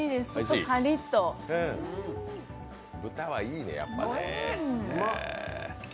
豚はいいね、やっぱりね。